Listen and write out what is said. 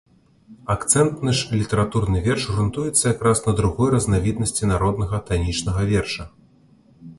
Акцэнтны ж літаратурны верш грунтуецца якраз на другой разнавіднасці народнага танічнага верша.